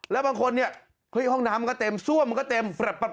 แล้วบางคนเนี่ยเฮ้ยห้องน้ำมันก็เต็มซ่วมมันก็เต็ม